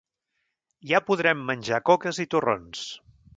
Ja podrem menjar coques i torrons.